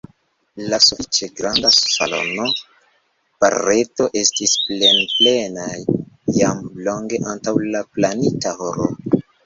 La sufiĉe granda salono Barreto estis plenplena jam longe antaŭ la planita horo.